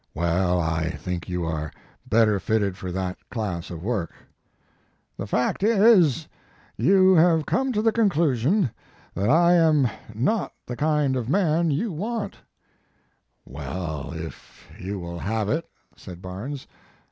"Well, I think you are better fitted for that class of work." "The fact is you have come to the conclusion that I am not the kind of a man you want." 54 Mark Twain "Well, if you will have it," said Barnes.